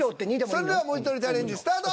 それではもじとりチャレンジスタート！